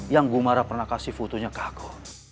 yang gumara pernah kasih fotonya ke aku